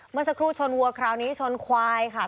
เมื่อสักครู่ชนวัวคราวนี้ชนควายค่ะ